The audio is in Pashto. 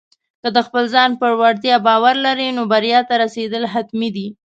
که د خپل ځان پر وړتیا باور لرې، نو بریا ته رسېدل حتمي دي.